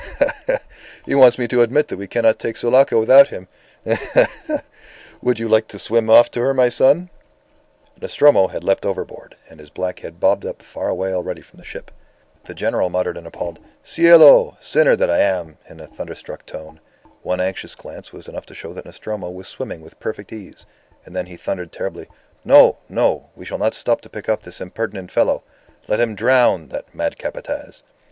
Ha! ha! ha! He wants me to admit that we cannot take Sulaco without him! Ha! ha! ha! Would you like to swim off to her, my son?" A tremendous shout from one end of the ship to the other stopped his guffaw. Nostromo had leaped overboard; and his black head bobbed up far away already from the ship. The General muttered an appalled "Cielo! Sinner that I am!" in a thunderstruck tone. One anxious glance was enough to show him that Nostromo was swimming with perfect ease; and then he thundered terribly, "No! no! We shall not stop to pick up this impertinent fellow. Let him drown that mad Capataz."